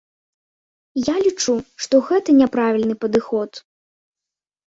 Я лічу, што гэта няправільны падыход.